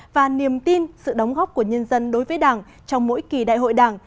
và niềm tin sự đóng góp của nhân dân đối với đảng trong mỗi kỳ đại hội đảng